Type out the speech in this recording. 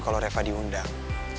kalo reva diundang